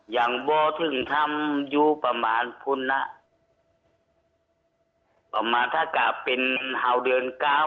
บ่อถึงทำอยู่ประมาณผู้นะประมาณถ้ากลับเป็นเฮาวเดือนเก้า